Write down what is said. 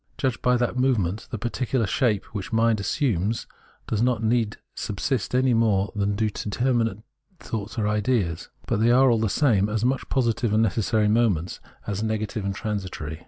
Judged by that movement, the particular shapes which mind assumes do not indeed subsist any more than do determinate thoughts or ideas ; but they are, all the same, as much positive and necessary moments, as negative and tran sitory.